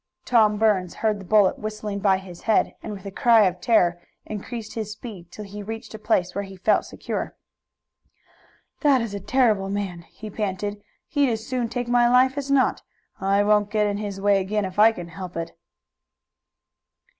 Tom Burns heard the bullet whistling by his head, and with a cry of terror increased his speed till he reached a place where he felt secure. "That is a terrible man!" he panted. "He'd as soon take my life as not. I won't get in his way again if I can help it."